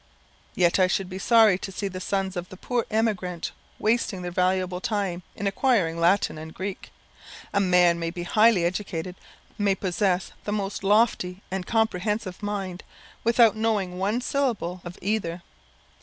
Yet I should be sorry to see the sons of the poor emigrant wasting their valuable time in acquiring Latin and Greek. A man may be highly educated, may possess the most lofty and comprehensive mind, without knowing one syllable of either.